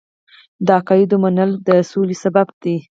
د عقایدو منل د سولې سبب دی.